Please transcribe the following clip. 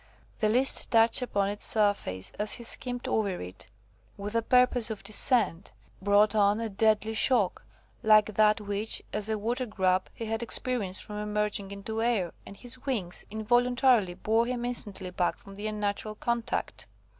The least touch upon its surface, as he skimmed over it with the purpose of descent, brought on a deadly shock, like that which, as a water grub, he had experienced from emerging into air, and his wings involuntarily bore him instantly back from the unnatural contact.